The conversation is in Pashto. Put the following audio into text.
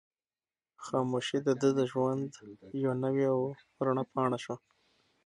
خاموشي د ده د ژوند یوه نوې او رڼه پاڼه شوه.